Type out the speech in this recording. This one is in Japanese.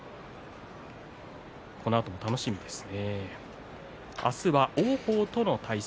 このあとも楽しみですね。